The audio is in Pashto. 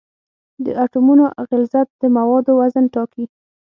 د اټومونو غلظت د موادو وزن ټاکي.